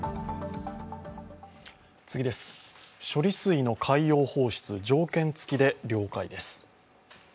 処理水の海洋放出、条件付きで了解です。